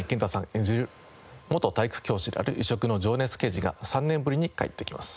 演じる元体育教師である異色の情熱刑事が３年ぶりに帰ってきます。